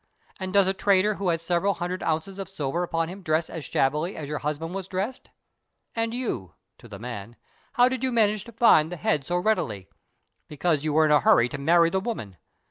_ And does a trader who has several hundred ounces of silver about him dress as shabbily as your husband was dressed? And you, [to the man], how did you manage to find the head so readily? _Because you were in a hurry to marry the woman.